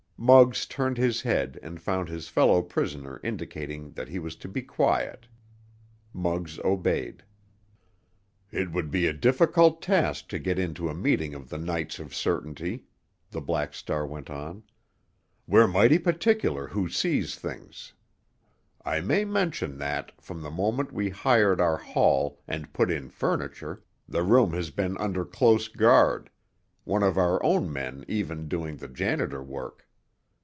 Muggs turned his head and found his fellow prisoner indicating that he was to be quiet. Muggs obeyed. "It would be a difficult task to get into a meeting of the Knights of Certainty," the Black Star went on. "We're mighty particular who sees things. I may mention that, from the moment we hired our hall and put in furniture, the room has been under close guard, one of our own men even doing the janitor work.